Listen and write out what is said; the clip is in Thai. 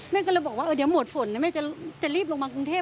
แม่ก็เลยบอกว่าเดี๋ยวหมดฝนนะแม่จะรีบลงมากรุงเทพ